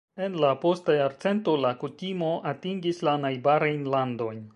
En la posta jarcento, la kutimo atingis la najbarajn landojn.